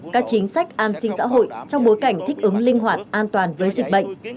các chính sách an sinh xã hội trong bối cảnh thích ứng linh hoạt an toàn với dịch bệnh